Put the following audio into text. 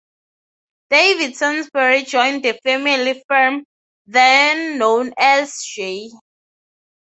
David Sainsbury joined the family firm, then known as 'J.